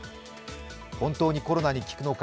本当にコロナに効くのか